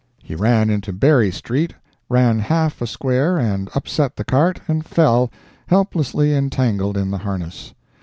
He ran into Berry street, ran half a square and upset the cart, and fell, helplessly entangled in the harness.